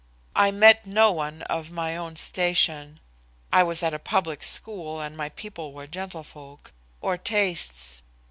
I met no one of my own station I was at a public school and my people were gentlefolk or tastes.